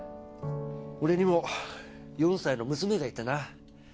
俺にも４歳の娘がいてな。